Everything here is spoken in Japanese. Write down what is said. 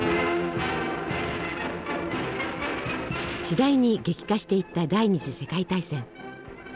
しだいに激化していった第２次世界大戦。